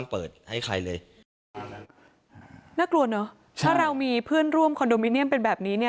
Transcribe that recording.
เปิดให้ใครเลยน่ากลัวเนอะถ้าเรามีเพื่อนร่วมคอนโดมิเนียมเป็นแบบนี้เนี่ย